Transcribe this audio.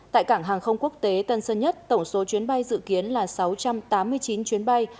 tại cảng hàng không quốc tế tân sơn nhất tổng số chuyến bay dự kiến là sáu trăm tám mươi chín chuyến bay